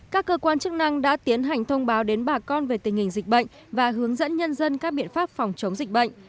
các cơ quan chức năng đã tiến hành thông báo đến bà con về tình hình dịch bệnh và hướng dẫn nhân dân các biện pháp phòng chống dịch bệnh